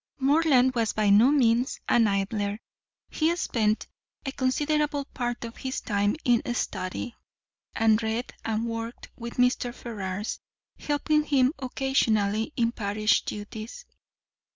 Morland was by no means an idler; he spent a considerable part of his time in study, and read and worked with Mr. Ferrars, helping him occasionally in parish duties.